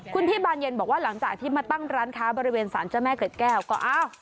คุณพี่บานเย็นบอกว่าหลังจากที่มาตั้งร้านค้าบริเวณสารเจ้าแม่เกร็ดแก้วก็อ้าว